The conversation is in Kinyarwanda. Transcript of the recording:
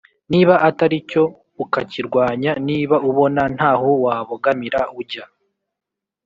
niba atari cyo ukakirwanya, niba ubona nta ho wabogamira ujya